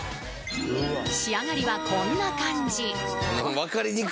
仕上がりはこんな感じ